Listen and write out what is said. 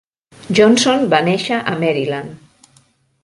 Johnson va néixer a Maryland.